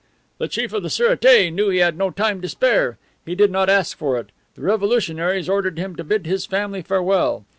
"The Chief of the Surete knew he had no time to spare. He did not ask for it. The revolutionaries ordered him to bid his family farewell.